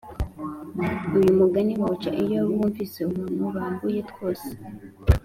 uyu mugani bawuca iyo bumvise umuntu bambuye twose